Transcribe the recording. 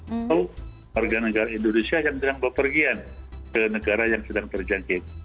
atau warga negara indonesia yang sedang berpergian ke negara yang sedang terjangkit